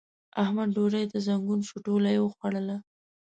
احمد ډوډۍ ته زنګون شو؛ ټوله يې وخوړله.